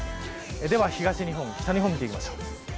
では、東日本、北日本を見ていきましょう。